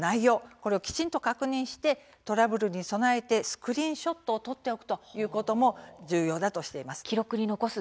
これをきちんと確認してトラブルに備えてスクリーンショットを撮っておくということも重要だとしています。